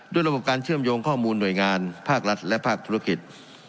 ระบบการเชื่อมโยงข้อมูลหน่วยงานภาครัฐและภาคธุรกิจ